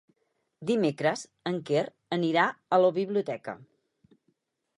Dimecres en Quer anirà a la biblioteca.